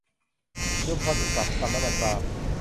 ชุมพรอุตสาหกรรมน้ำมันปาล์ม